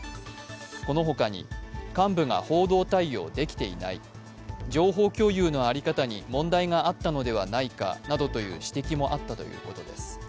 このほかに、幹部が報道対応できていない、情報共有の在り方に問題があったのではないかなどという指摘もあったということです。